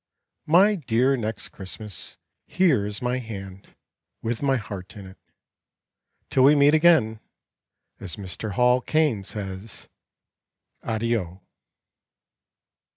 My dear Next Christmas, Here is my hand, With my heart in it. Till we meet again As Mr. Hall Caine says Addio.